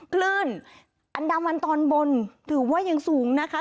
คลื่นอันดามันตอนบนถือว่ายังสูงนะคะ